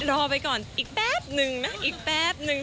รอไปก่อนอีกแป๊บนึงนะอีกแป๊บนึง